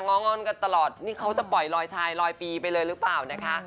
้องอนกันตลอดนี่เขาจะปล่อยลอยชายลอยปีไปเลยหรือเปล่านะคะ